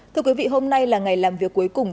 thưa quý vị hôm nay là ngày làm việc cuối cùng